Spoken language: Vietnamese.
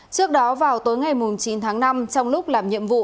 trước đó vào tối ngày chín tháng năm trong lúc làm nhiệm vụ